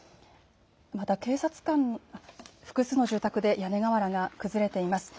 また複数の住宅で屋根瓦が崩れています。